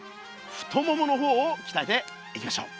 太ももの方をきたえていきましょう。